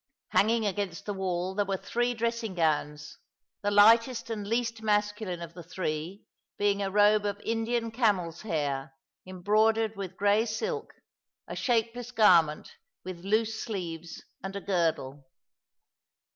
Hanging against the wall there were three dressing gowns, the lightest and least masculine of the three being a robe of Indian camel's hair, embroidered with gray silk— a shapeless garment with loose sleeves and a girdle.